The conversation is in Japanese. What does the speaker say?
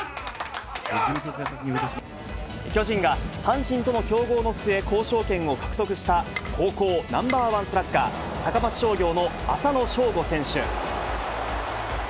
巨人が阪神との競合の末、交渉権を獲得した、高校ナンバーワンスラッガー、高松商業の浅野翔吾選手。